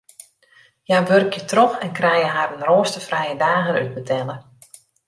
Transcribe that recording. Hja wurkje troch en krije harren roasterfrije dagen útbetelle.